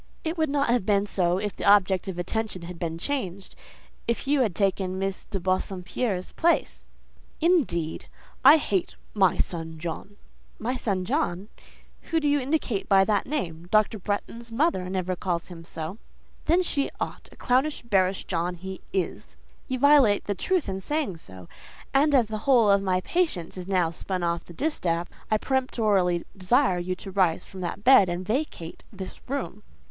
"It would not have been so if the object of attention had been changed: if you had taken Miss de Bassompierre's place." "Indeed! I hate 'my son John!'" "'My son John!'—whom do you indicate by that name? Dr. Bretton's mother never calls him so." "Then she ought. A clownish, bearish John he is." "You violate the truth in saying so; and as the whole of my patience is now spun off the distaff, I peremptorily desire you to rise from that bed, and vacate this room."